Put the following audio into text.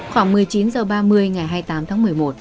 khoảng một mươi chín h ba mươi ngày hai mươi tám tháng một mươi một